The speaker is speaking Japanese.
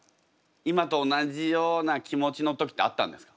今と同じような気持ちの時ってあったんですか？